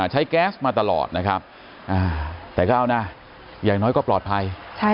แก๊สมาตลอดนะครับแต่ก็เอานะอย่างน้อยก็ปลอดภัย